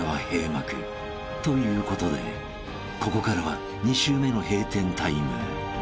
［ということでここからは２週目の閉店タイム］